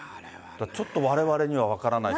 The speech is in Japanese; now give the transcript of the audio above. ちょっとわれわれには分からない。